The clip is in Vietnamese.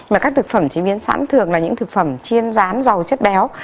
mà các thực phẩm chế biến sẵn thường là những thực phẩm chiên rán giàu chất béo